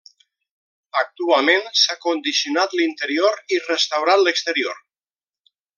Actualment s'ha condicionat l'interior i restaurat l'exterior.